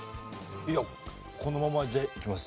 いやこのままじゃあいきます。